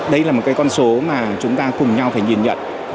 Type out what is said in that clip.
đây là một cái con số mà chúng ta cùng nhau phải nhìn nhận